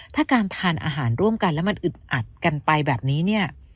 ถ้าการทานอาหารร่วมกันแล้วมันอึดอัดกันไปแบบนี้เนี่ย